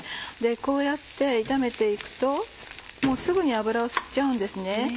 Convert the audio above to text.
こうやって炒めて行くともうすぐに油を吸っちゃうんですね。